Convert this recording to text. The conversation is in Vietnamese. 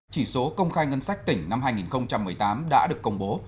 chỉ số công khai ngân sách tỉnh năm hai nghìn một mươi tám đã được công bố